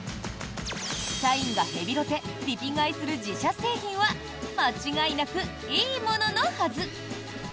社員がヘビロテ・リピ買いする自社製品は間違いなくいいもののはず！